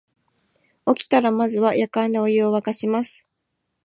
起きたらまずはやかんでお湯をわかします